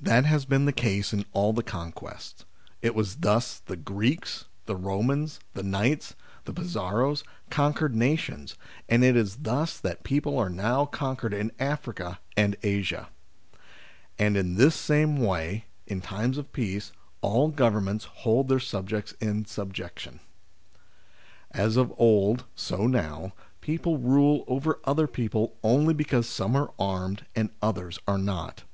That has been the case in all the conquests : it was thus the Greeks, the Eomans, the Knights, and Pizarros conquered nations, and it is thus that people are now conquered in Africa and HOW TO ABOLISH GOVERNMENTS 105 Asia. And in this same way, in times of peace, all Governments hold their subjects in subjection. As of old so now, people rule over other people only because some are armed and others are not.